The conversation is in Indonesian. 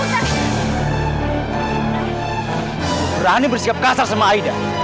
berani bersikap kasar sama aida